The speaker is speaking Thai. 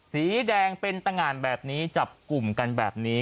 สีแดงเป็นตะงานแบบนี้จับกลุ่มกันแบบนี้